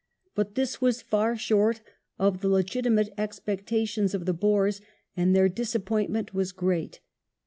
But this was far short of the legitimate expectations of the Boei^s, and their disappointment was great.